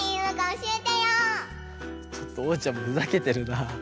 ちょっとおうちゃんもふざけてるなあ。